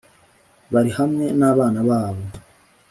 Barihamwe n’abana babo.